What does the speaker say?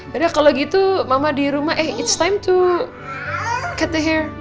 jadi kalau gitu mama di rumah eh it's time to cut the hair